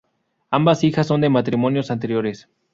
Ambas hijas son de matrimonios anteriores.